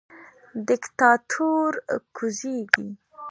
دیکتاتور کوزیږي